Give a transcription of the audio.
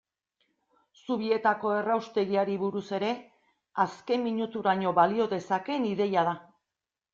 Zubietako erraustegiari buruz ere, azken minuturaino balio dezakeen ideia da.